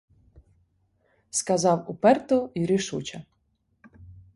Сказав уперто й рішуче.